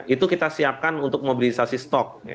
itu kita siapkan untuk mobilisasi stok